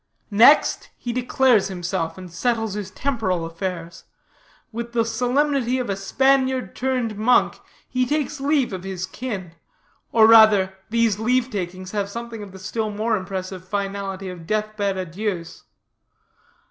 Next, he declares himself and settles his temporal affairs. With the solemnity of a Spaniard turned monk, he takes leave of his kin; or rather, these leave takings have something of the still more impressive finality of death bed adieus.